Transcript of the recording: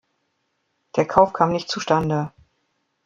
Der Kauf kam nicht zu Stande.